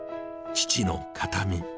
父の形見。